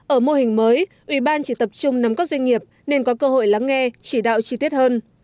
ở mô hình mới ủy ban chỉ tập trung nắm các doanh nghiệp nên có cơ hội lắng nghe chỉ đạo chi tiết hơn